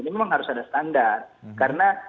ini memang harus ada standar karena